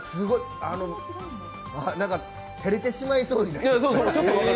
何か照れてしまいそうになる。